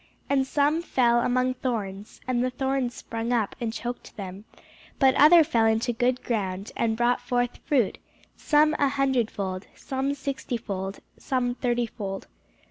And some fell among thorns; and the thorns sprung up, and choked them: but other fell into good ground, and brought forth fruit, some an hundredfold, some sixtyfold, some thirtyfold.